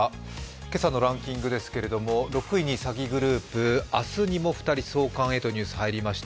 今朝のランキングですが６位に詐欺グループ、明日にも２人送還へというニュースでした。